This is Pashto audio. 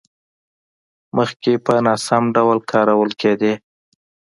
مخکې په ناسم ډول کارول کېدې.